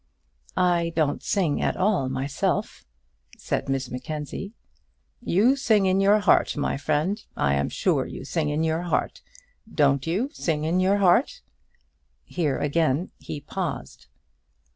"I don't sing at all, myself," said Miss Mackenzie. "You sing in your heart, my friend; I am sure you sing in your heart. Don't you sing in your heart?" Here again he paused.